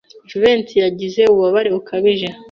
Jivency yagize ububabare bukabije.